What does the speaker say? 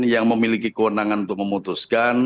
yang memiliki kewenangan untuk memutuskan